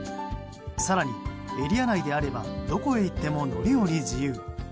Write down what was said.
更に、エリア内であればどこへ行っても乗り降り自由。